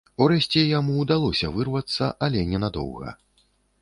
Урэшце яму ўдалося вырвацца, але ненадоўга.